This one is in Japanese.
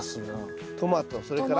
トマトそれから？